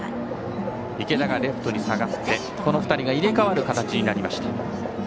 池田がレフトに下がってこの２人が入れ替わる形。